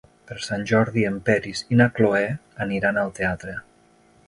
Per Sant Jordi en Peris i na Cloè aniran al teatre.